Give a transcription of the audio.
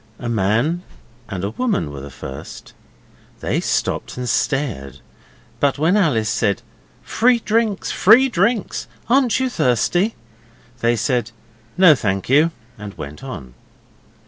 A man and woman were the first: they stopped and stared, but when Alice said, 'Free drinks! Free drinks! Aren't you thirsty?' they said, 'No thank you,' and went on.